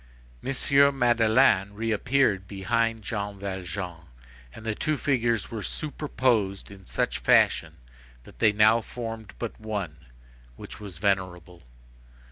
M. Madeleine reappeared behind Jean Valjean, and the two figures were superposed in such fashion that they now formed but one, which was venerable.